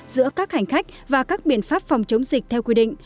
giữa các hành khách và các biện pháp phòng chống dịch theo quy định